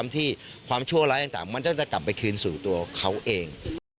ตัวอะไรอันต่างมันก็จะกลับไปคืนสู่ตัวเขาเอง